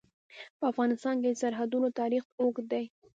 په افغانستان کې د سرحدونه تاریخ اوږد دی.